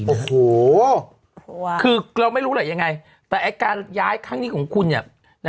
โอ้โหคือเราไม่รู้แหละยังไงแต่ไอ้การย้ายครั้งนี้ของคุณเนี่ย